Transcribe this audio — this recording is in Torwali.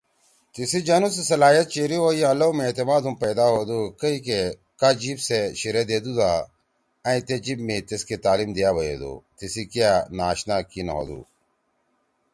تیِسی جنُو سی صلاحیت چیری ہوئی آں لؤ می اعتماد ہُم پیدا ہودُو کَئی کہ کا جیِب سے شیِرے دیدُودا أئں تے جیب می تیسکے تعلیم دیا بیَدُو۔ تیسی کیا ناآشنا کی نہ ہودُو۔